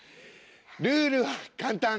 ルールは簡単！